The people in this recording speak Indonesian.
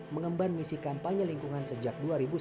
mengemban misi kampanye lingkungan sejak dua ribu sebelas